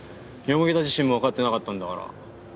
田自身も分かってなかったんだから。